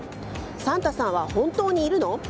サンタさんは本当にいるの？